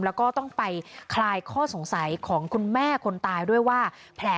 แล้วก็ต้องไปคลายข้อสงสัยของคุณแม่คนตายด้วยว่าแผล